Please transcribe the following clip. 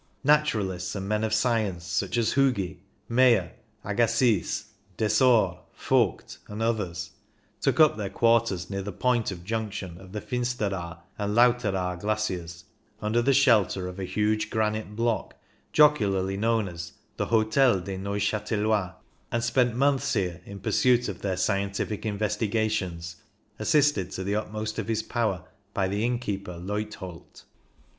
Naturalists and men of science such as Hugi, Meyer, Agassiz, Desor, Vogt, and others, took up their quarters near the point of junction of the F.insteraar and Lauteraar Glaciers, under the shelter of a huge granite block jocularly known as the Hotel des Neuch^telois, and spent months here in pursuit of their scientific investiga tions, assisted to the utmost of his power by the innkeeper, Leuthold.